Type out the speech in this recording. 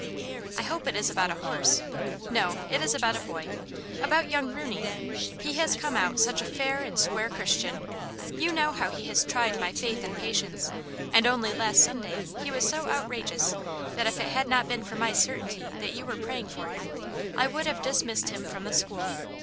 " I hope it is about a horse." "No; it is about a boy. About young Rooncy. He has come out such a fair and square Christian. You know how he has tried my faith and patience. And only last Sunday he was so outrageous that if it had not been for my certainty that you were pray ing for him, I would have dismissed him from the school.